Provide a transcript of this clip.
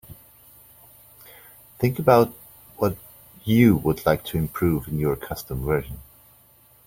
Think about what you would like to improve in your custom version.